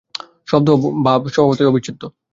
শব্দ ও ভাব স্বভাবতই অবিচ্ছেদ্য।